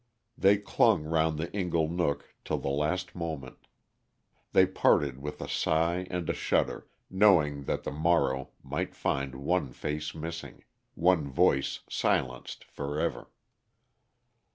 They clung round the ingle nook till the last moment; they parted with a sigh and a shudder, knowing that the morrow might find one face missing, one voice silenced for ever.